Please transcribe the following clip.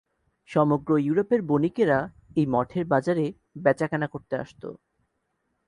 সমগ্র ইউরোপের বণিকেরা এই মঠের বাজারে বেচা-কেনা করতে আসত।